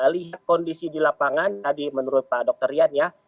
lihat kondisi di lapangan tadi menurut pak dr rian ya